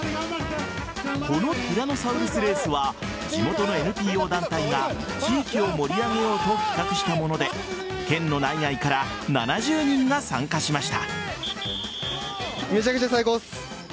このティラノサウルスレースは地元のＮＰＯ団体が地域を盛り上げようと企画したもので県の内外から７０人が参加しました。